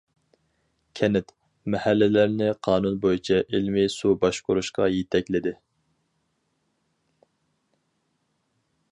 كەنت، مەھەللىلەرنى قانۇن بويىچە ئىلمىي سۇ باشقۇرۇشقا يېتەكلىدى.